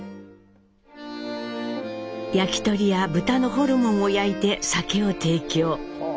焼き鳥や豚のホルモンを焼いて酒を提供。